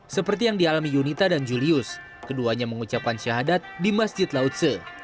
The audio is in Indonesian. seperti yang dialami yunita dan julius keduanya mengucapkan syahadat di masjid lautse